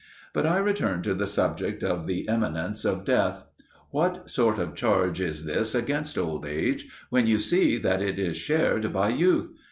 But I return to the subject of the imminence of death. What sort of charge is this against old age, when you see that it is shared by youth?